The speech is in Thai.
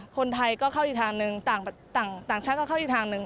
คนไทยก็เข้าอีกทางหนึ่งต่างชาติก็เข้าอีกทางหนึ่ง